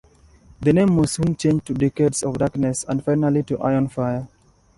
The name was soon changed to Decades of Darkness and finally to Iron Fire.